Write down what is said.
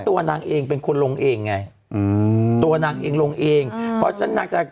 ตัวนางเองเป็นคนลงเองไงอืมตัวนางเองลงเองเพราะฉะนั้นนางจะ